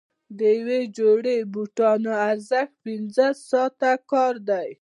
د یوې جوړې بوټانو ارزښت پنځه ساعته کار دی.